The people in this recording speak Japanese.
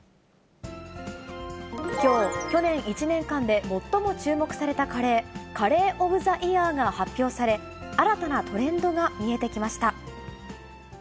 きょう、去年１年間で最も注目されたカレー、カレー・オブ・ザ・イヤーが発表され、新たなトレンドが見えてきました。